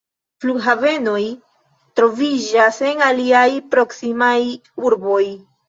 Flughavenoj troviĝas en la aliaj proksimaj urboj.